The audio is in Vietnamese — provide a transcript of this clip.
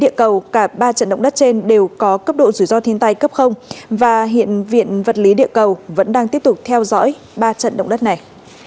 hiện cầu cả ba trận động đất trên đều có cấp độ rủi ro thiên tai cấp và hiện viện vật lý địa cầu vẫn đang tiếp tục theo dõi ba trận động đất này